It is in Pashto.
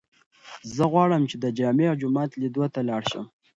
زه غواړم چې د جامع جومات لیدو ته لاړ شم.